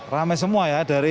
ramai semua ya